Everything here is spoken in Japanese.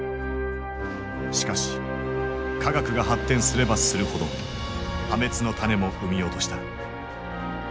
しかし科学が発展すればするほど破滅の種も産み落とした。